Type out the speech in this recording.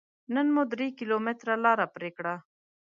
نن مو درې کيلوميټره لاره پرې کړه.